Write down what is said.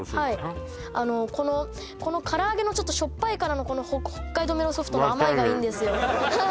はいあのこのから揚げのちょっとしょっぱいからのこの北海道メロンソフトの甘いがいいんですよ